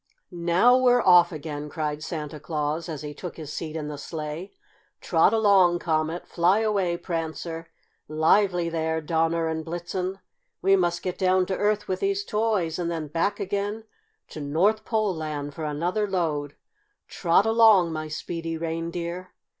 "Now we're off again!" cried Santa Claus, as he took his seat in the sleigh. "Trot along, Comet! Fly away, Prancer! Lively there, Donner and Blitzen! We must get down to Earth with these toys, and then back again to North Pole Land for another load! Trot along, my speedy reindeer!"